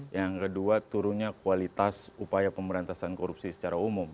yang kedua turunnya kualitas upaya pemberantasan korupsi secara umum